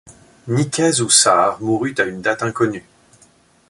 Nicaise Houssart mourut à une date inconnue.